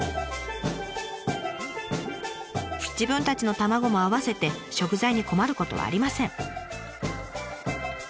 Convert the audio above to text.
自分たちの卵も合わせて食材に困ることはありません。